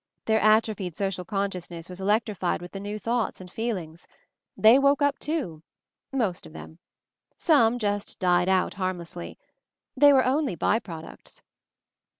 Their atrophied social consciousness was electrified with the new thoughts and feelings. They woke up, too, most of them. Some just died out harmlessly. They were only by products."